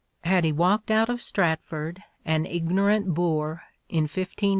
Had he walked out of Stratford an ignorant boor Shakspcre .